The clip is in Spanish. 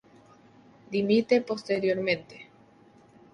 Dimite posteriormente.